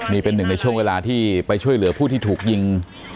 นี่เป็นหนึ่งในช่วงเวลาที่ไปช่วยเหลือผู้ที่ถูกยิง